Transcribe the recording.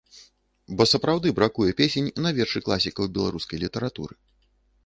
Бо сапраўды бракуе песень на вершы класікаў беларускай літаратуры.